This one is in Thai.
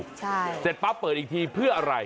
ใช่เสร็จปั๊บเปิดอีกทีเพื่ออะไร